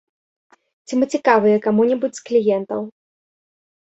Ці мы цікавыя каму-небудзь з кліентаў.